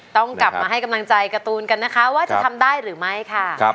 ต้องกลับมาให้กำลังใจการ์ตูนกันนะคะว่าจะทำได้หรือไม่ค่ะ